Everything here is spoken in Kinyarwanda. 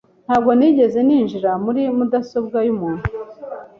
Ntabwo nigeze ninjira muri mudasobwa y'umuntu .